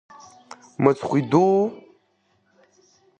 Мыцхә идуу?